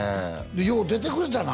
よう出てくれたな